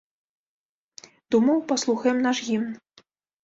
Думаў, паслухаем наш гімн.